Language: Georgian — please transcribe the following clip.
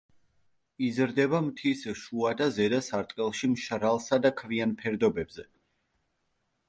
იზრდება მთის შუა და ზედა სარტყელში მშრალსა და ქვიან ფერდობებზე.